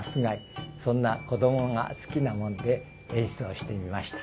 そんな子どもが好きなもんで演出をしてみました。